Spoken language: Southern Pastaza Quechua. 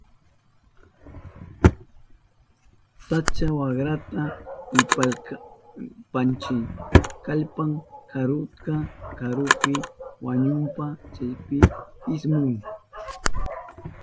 Sacha wakrata illapashpanchi kallpan karuta. Karupi wañushpan chaypi ismun.